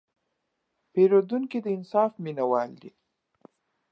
پیرودونکی د انصاف مینهوال دی.